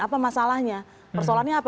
apa masalahnya persoalannya apa